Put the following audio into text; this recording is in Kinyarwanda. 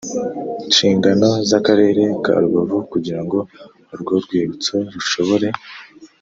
Nshingano z akarere ka rubavu kugira ngo urwo rwibutso rushobore